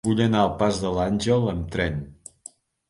Vull anar al pas de l'Àngel amb tren.